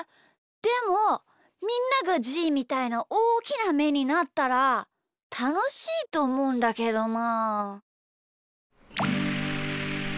でもみんながじーみたいなおおきなめになったらたのしいとおもうんだけどな。